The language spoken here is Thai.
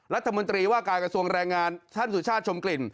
รัฐมนตรีว่าการกระทรวงแรงงานท่านสุชาติชมกลิ่น